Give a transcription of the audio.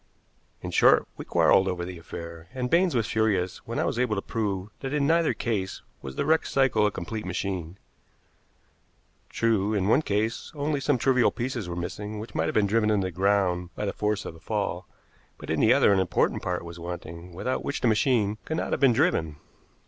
In short, we quarreled over the affair, and Baines was furious when I was able to prove that in neither case was the wrecked cycle a complete machine. True, in one case, only some trivial pieces were missing which might have been driven into the ground by the force of the fall; but in the other an important part was wanting, without which the machine could not have been driven.